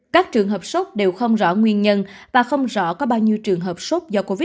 các trường hợp sốt đều không rõ nguyên nhân và không rõ có bao nhiêu trường hợp sốt do covid một mươi chín